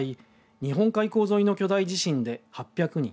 日本海溝沿いの巨大地震で８００人